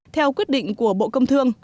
theo quyết định của bộ công thương